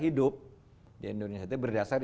hidup di indonesia itu berdasar